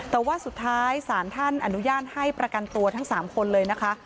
แต่ว่าสุดท้ายศาลท่านอนุญาตให้ประกันตัวทั้ง๓คนเลยนะคะ